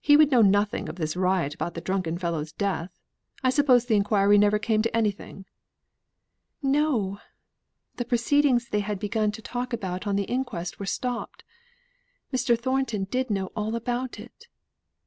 he would know nothing of this riot, about the drunken fellow's death. I suppose the injury never came to anything." "No! the proceedings they had begun to talk about on the inquest were stopped. Mr. Thornton did know all about it.